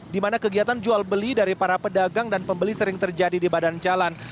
di mana kegiatan jual beli dari para pedagang dan pembeli sering terjadi di badan jalan